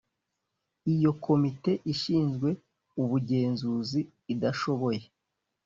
iyo komite ishinzwe ubugenzuzi idashoboye